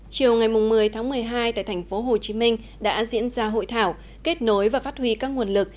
chiều ngày một mươi tháng một mươi hai tại thành phố hồ chí minh đã diễn ra hội thảo kết nối và phát huy các nguồn lực